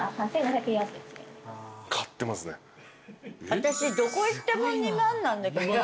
私どこ行っても２万なんだけど。